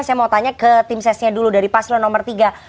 saya mau tanya ke team sesnya dulu dari paslo nomor tiga